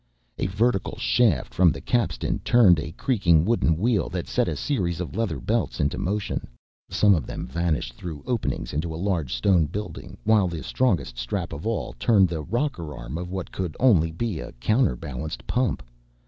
A vertical shaft from the capstan turned a creaking wooden wheel that set a series of leather belts into motion. Some of them vanished through openings into a large stone building, while the strongest strap of all turned the rocker arm of what could only be a counterbalanced pump.